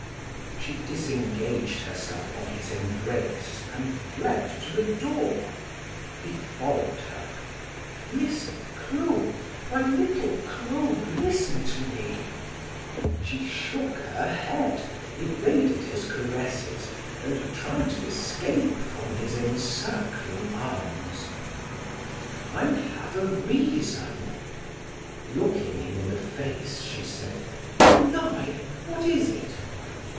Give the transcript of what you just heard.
She disengaged herself from his embrace and fled to the door. He followed her: "Listen Clo, my little Clo, listen to me " She shook her head, evaded his caresses and tried to escape from his encircling arms. "I have a reason " Looking him in the face, she said: "You lie! What is it?"